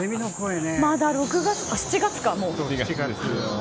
まだ６月７月か。